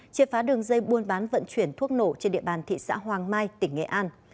chia phá đường dây buôn bán vận chuyển thuốc nổ trên địa bàn thị xã hoàng mai tỉnh nghệ an